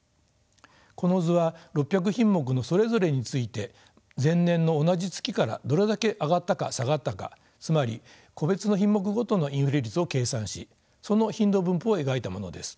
この図は６００品目のそれぞれについて前年の同じ月からどれだけ上がったか下がったかつまり個別の品目ごとのインフレ率を計算しその頻度分布を描いたものです。